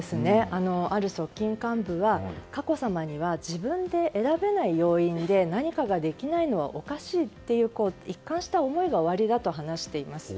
ある側近幹部は、佳子さまには自分には選べない要因で何かができないのはおかしいという一貫した思いがおありだと話しています。